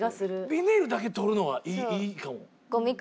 ビニールだけ取るのはいいかも。